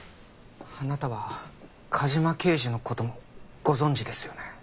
あなたは梶間刑事の事もご存じですよね？